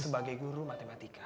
sebagai guru matematika